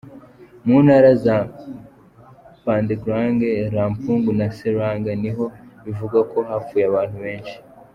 Mu ntara za Pandeglang, Lampung na Serang niho bivugwa ko hapfuye abantu benshi.